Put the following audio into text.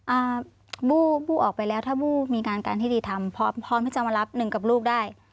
อ่าบู้บู้ออกไปแล้วถ้าบู้มีงานการที่ดีทำพร้อมพร้อมที่จะมารับหนึ่งกับลูกได้